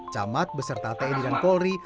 camat beserta tni dan polri